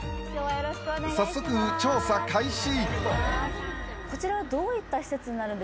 早速、調査開始！